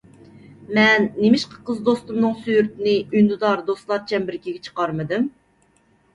مەن نېمىشقا قىز دوستۇمنىڭ سۈرىتىنى ئۈندىدار دوستلار چەمبىرىكىگە چىقارمىدىم؟